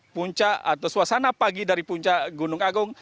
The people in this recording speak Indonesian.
puncak atau suasana pagi dari puncak gunung agung